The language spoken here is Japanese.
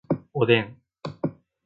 おでん